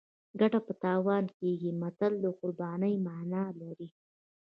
ګټه په تاوان کېږي متل د قربانۍ مانا لري